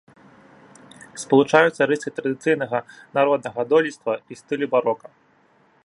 Спалучаюцца рысы традыцыйнага народнага дойлідства і стылю барока.